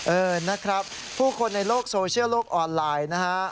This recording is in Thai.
เออนะครับผู้คนในโลกโซเชียลโลกออนไลน์นะฮะ